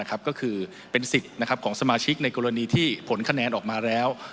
ก็คือเป็นสิทธิ์ของสมาชิกในกรณีที่ผลคะแนนออกมาแล้ว